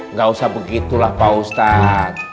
nggak usah begitu lah pak ustadz